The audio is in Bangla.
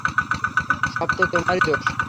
সব তো তোমারই দোষ।